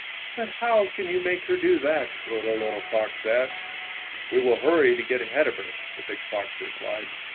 "But how can you make her do that?" the little fox asked. "We will hmry to get ahead of her," the big fox replied.